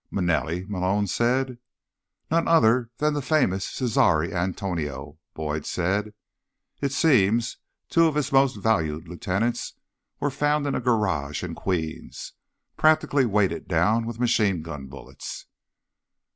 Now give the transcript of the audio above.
"Manelli?" Malone said. "None other than the famous Cesare Antonio," Boyd said. "It seems two of his most valued lieutenants were found in a garage in Queens, practically weighted down with machine gun bullets."